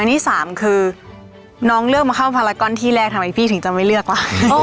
อันนี้สามคือน้องเลือกมาเข้าพารากอนที่แรกทำไมพี่ถึงจะไม่เลือกว่ะ